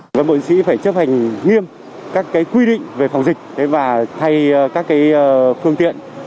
công an bộ yên sĩ phải chấp hành nghiêm các quy định về phòng dịch và thay các phương tiện